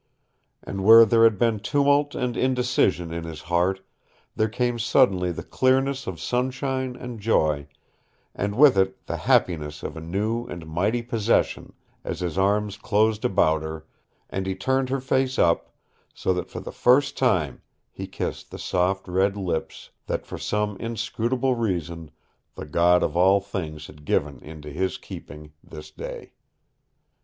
And where there had been tumult and indecision in his heart there came suddenly the clearness of sunshine and joy, and with it the happiness of a new and mighty possession as his arms closed about her, and he turned her face up, so that for the first time he kissed the soft red lips that for some inscrutable reason the God of all things had given into his keeping this day.